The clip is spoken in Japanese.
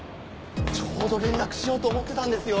ちょうど連絡しようと思ってたんですよ。